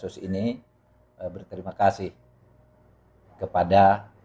dan saya ingin mengucapkan terima kasih kepada